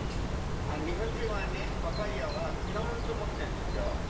日本人はね、パパイヤは果物と思ってるんですよ。